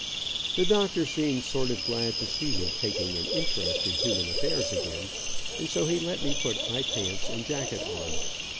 The doctor seemed sort of glad to see me taking an interest in human affairs again, and so he let me put my pants and jacket on.